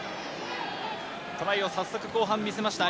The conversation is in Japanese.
トライを早速後半見せました。